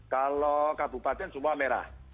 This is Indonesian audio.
kalau kabupaten semua merah